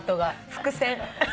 伏線。